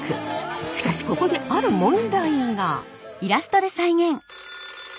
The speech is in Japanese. しかしここである問題が。